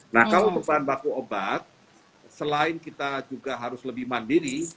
nah kalau bahan baku obat selain kita juga harus lebih mandiri